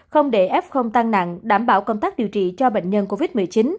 không để f tăng nặng đảm bảo công tác điều trị cho bệnh nhân covid một mươi chín